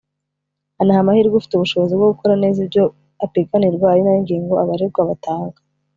anaha amahirwe ufite ubushobozi bwo gukora neza ibyo apiganirwa ari nayo ngingo abaregwa batanga